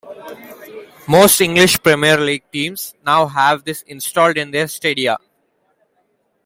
Most English Premier League teams now have this installed in their stadia.